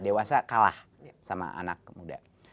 dewasa kalah sama anak muda